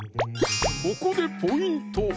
ここでポイント